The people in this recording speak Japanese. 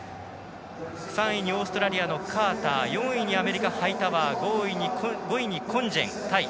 ３位にオーストラリアのカーター４位にアメリカ、ハイタワー５位にコンジェン、タイ。